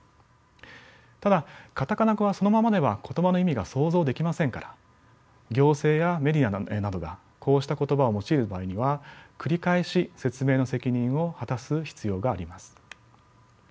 ただカタカナ語はそのままでは言葉の意味が想像できませんから行政やメディアなどがこうした言葉を用いる場合には繰り返し説明の責任を果たす必要があります。